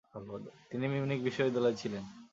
তিনি মিউনিখ বিশ্ববিদ্যালয়ে ছিলেন।